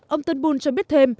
ông turnbull cho biết thêm